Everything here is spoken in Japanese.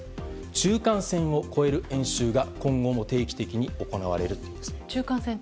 中間線を越える演習が今後も定期的に行われると。